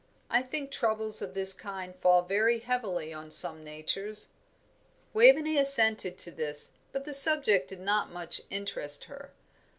I think troubles of this kind fall very heavily on some natures." Waveney assented to this, but the subject did not much interest her.